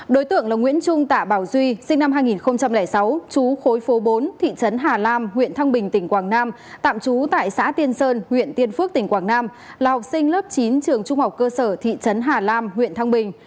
đối tượng là nguyễn trung tả bảo duy sinh năm hai nghìn sáu chú khối phố bốn thị trấn hà lam huyện thăng bình tỉnh quảng nam tạm trú tại xã tiên sơn huyện tiên phước tỉnh quảng nam là học sinh lớp chín trường trung học cơ sở thị trấn hà lam huyện thăng bình